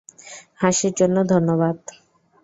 হাসির জন্য ধন্যবাদ।